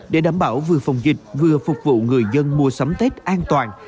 để đảm bảo vừa phòng dịch vừa phục vụ người dân mua sắm tết an toàn